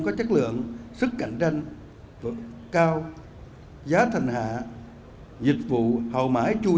có chất lượng sức cạnh tranh cao giá thành hạ dịch vụ hậu mãi chú đáo